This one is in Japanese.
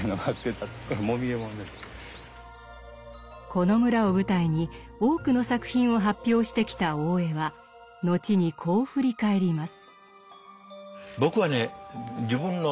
この村を舞台に多くの作品を発表してきた大江は後にこう振り返ります。